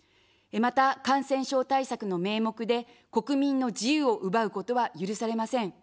また、感染症対策の名目で、国民の自由を奪うことは許されません。